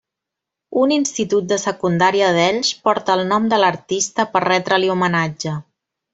Un Institut de Secundària d'Elx porta el nom de l'artista per retre-li homenatge.